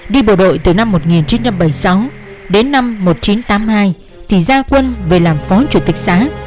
đi bộ đội từ năm một nghìn chín trăm bảy mươi sáu đến năm một nghìn chín trăm tám mươi hai thì ra quân về làm phó chủ tịch xã